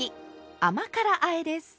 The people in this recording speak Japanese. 甘辛あえです。